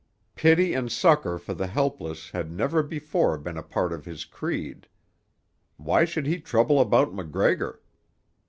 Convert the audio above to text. Pity and succour for the helpless had never before been a part of his creed. Why should he trouble about MacGregor?